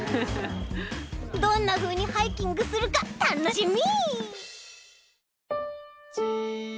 どんなふうにハイキングするかたのしみ！